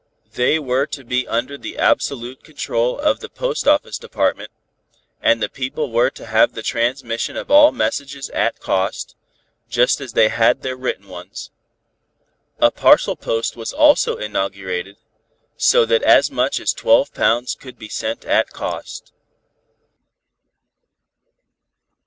They were to be under the absolute control of the Postoffice Department, and the people were to have the transmission of all messages at cost, just as they had their written ones. A parcel post was also inaugurated, so that as much as twelve pounds could be sent at cost.